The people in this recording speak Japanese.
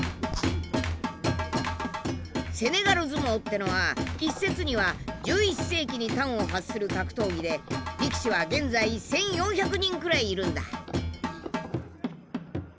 セネガル相撲ってのは一説には１１世紀に端を発する格闘技で力士は現在１，４００人くらいいるんだ。